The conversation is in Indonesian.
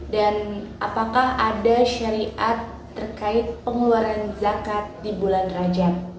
dan apakah ada syariat terkait pengeluaran zakat di bulan rojab